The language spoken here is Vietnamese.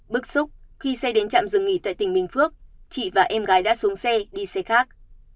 bức xúc khi xe đến trạm dừng nghỉ tại tỉnh bình phước chị và em gái đã xuống xe đi xe khác